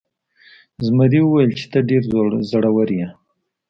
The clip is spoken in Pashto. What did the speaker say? زمري وویل چې ته ډیر زړور یې.